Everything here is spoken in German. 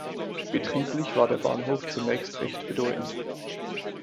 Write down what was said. Betrieblich war der Bahnhof zunächst recht bedeutend.